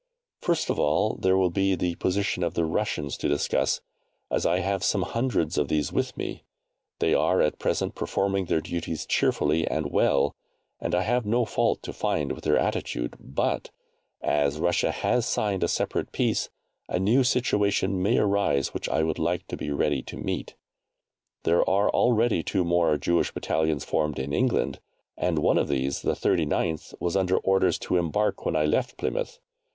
First of all there will be the position of the Russians to discuss, as I have some hundreds of these with me. They are at present performing their duties cheerfully and well, and I have no fault to find with their attitude; but, as Russia has signed a separate peace, a new situation may arise which I would like to be ready to meet. There are already two more Jewish Battalions formed in England, and one of these, the 39th, was under orders to embark when I left Plymouth.